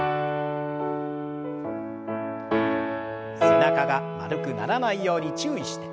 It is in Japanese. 背中が丸くならないように注意して。